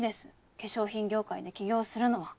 化粧品業界で起業するのは。